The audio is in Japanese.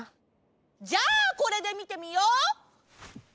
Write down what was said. じゃあこれでみてみよう。